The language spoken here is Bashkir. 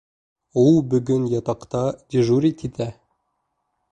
Ул бөгөн ятаҡта дежурить итә.